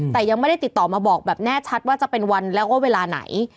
แต่ยังไม่ได้ติดต่อมาบอกแบบแน่ชัดว่าจะเป็นวันแล้วก็เวลาไหน